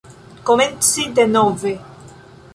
Komenci denove.